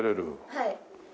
はい。